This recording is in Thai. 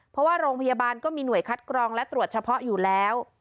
เพราะว่าโรงพยาบาลก็มีหน่วยคัดกรองและตรวจเฉพาะอยู่แล้ว